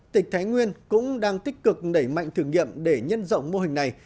tỉnh thái nguyên cũng đang tích cực đẩy mạnh thử nghiệm để nhân rộng mô hình này